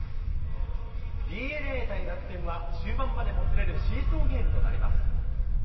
ＤｅＮＡ対楽天は、終盤までもつれるシーソーゲームとなります。